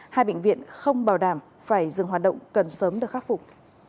hai bệnh viện không bảo đảm phải dừng hoạt động cần sớm được khắc phục